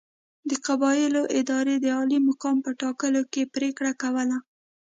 د قبایلو ادارې د عالي مقام په ټاکلو کې پرېکړه کوله.